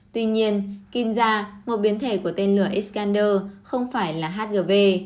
tuy nhiên kinza một biến thể của tên lửa iskander không phải là hgv